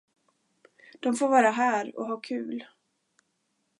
De får vara här och ha kul.